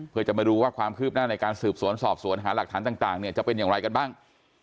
เพื่อจะมาดูว่าความคืบหน้าในการสืบสวนสอบสวนหาหลักฐานต่างเนี่ยจะเป็นอย่างไรกันบ้าง